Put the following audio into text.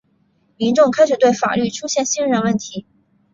民众开始对法律出现信任问题。